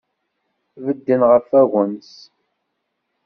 Bedden ɣef wagens.